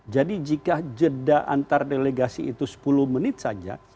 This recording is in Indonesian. jadi jika jeda antar delegasi itu sepuluh menit saja